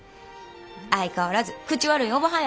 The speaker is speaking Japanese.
相変わらず口悪いおばはんやな。